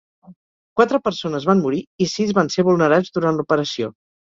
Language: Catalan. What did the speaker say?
Quatre persones van morir i sis van ser vulnerats durant l'operació.